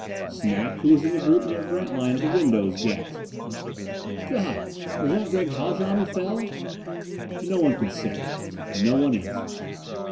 Snap, who was in the group near Grantline at the windows, gasped. "God! Was that Gregg Haljan who fell?" No one could say. No one answered.